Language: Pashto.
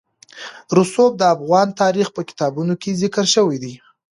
رسوب د افغان تاریخ په کتابونو کې ذکر شوي دي.